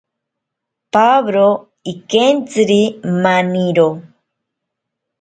Paworo ikentziri maniro.